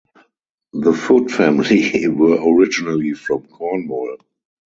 The Foot family were originally from Cornwall.